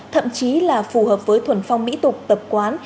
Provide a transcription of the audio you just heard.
thậm chí là phù hợp với thuần phong mỹ tục tập quán